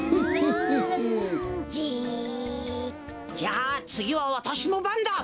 じゃあつぎはわたしのばんだ。